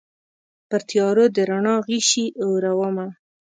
پرتیارو د رڼا غشي اورومه